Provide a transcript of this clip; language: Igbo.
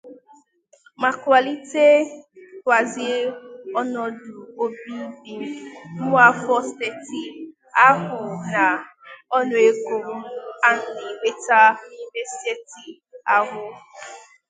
ma kwàlitekwazie ọnọdụ obibindụ ụmụafọ steeti ahụ na ọnụego a na-enweta n'ime steeti ahụ.